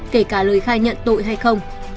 kể cả lời khai nhận tội hay không